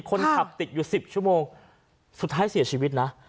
คนขับติดอยู่๑๐ชั่วโมงสุดท้ายเสียชีวิตนะ